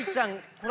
これ。